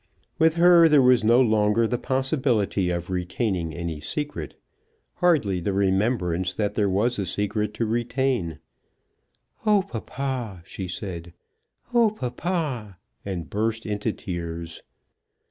With her there was no longer the possibility of retaining any secret, hardly the remembrance that there was a secret to retain. "Oh, papa," she said; "oh, papa!" and burst into tears.